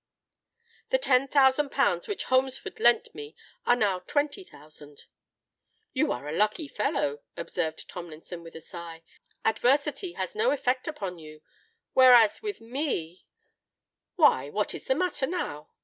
The ten thousand pounds which Holmesford lent me are now twenty thousand." "You are a lucky fellow," observed Tomlinson, with a sigh. "Adversity has no effect upon you; whereas with me——" "Why—what is the matter now?"